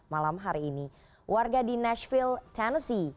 malam hari ini warga di nashville tennessee